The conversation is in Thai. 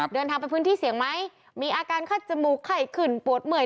เดินทางไปพื้นที่เสี่ยงไหมมีอาการคัดจมูกไข้ขึ้นปวดเมื่อย